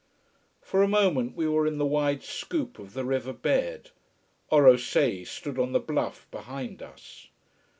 For a moment we were in the wide scoop of the river bed. Orosei stood on the bluff behind us.